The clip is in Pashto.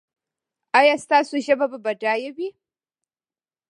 ایا ستاسو ژبه به بډایه وي؟